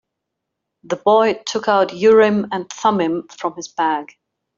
The boy took out Urim and Thummim from his bag.